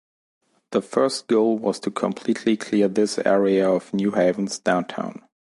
The first goal was to completely clear this area of New Haven's downtown.